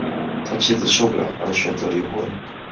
他妻子受不了而选择离婚